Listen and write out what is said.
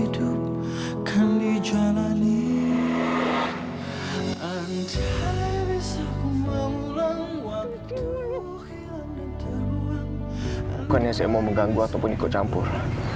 bukan yang saya mau mengganggu ataupun ikut campur